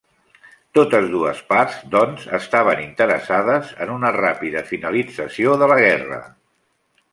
Totes dues parts, doncs, estaven interessades en una ràpida finalització de la guerra.